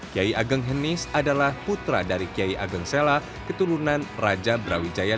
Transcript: kiai ageng henis adalah putra dari kiai ageng sela keturunan raja brawijaya